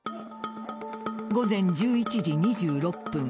午前１１時２６分。